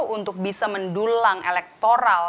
untuk bisa mendulang elektoral